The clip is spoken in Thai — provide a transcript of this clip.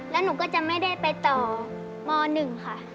แล้วหนูก็จะไม่ได้ไปต่อม๑ค่ะ